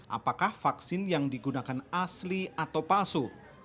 apakah vaksin yang digunakan asli atau palsu